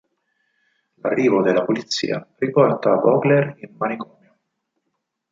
L'arrivo della polizia riporta Vogler in manicomio.